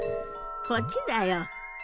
こっちだよ。